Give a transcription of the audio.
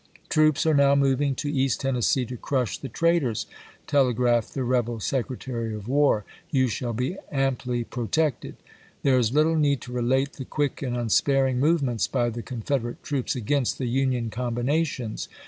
"Troops are now moving t^p ^uner, to East Tenncssce to crush the traitors," tele iso/.'^wfR. gi aphed the rebel Secretary of War ;" you shall be p. '243."' amply protected." There is little need to relate the quick and unsparing movements by the Confederate troops against the Union combinations.